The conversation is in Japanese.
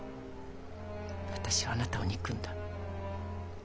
私はあなたを憎んだ。